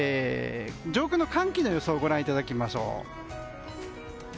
上空の寒気の予想をご覧いただきましょう。